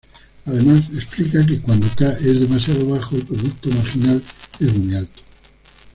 Además explica que cuando "k" es demasiado bajo, el producto marginal es muy alto.